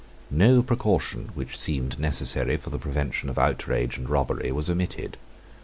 No precaution, which seemed necessary for the prevention of outrage and robbery, was omitted.